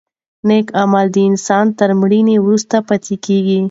نېک عمل د انسان تر مړینې وروسته پاتې کېږي.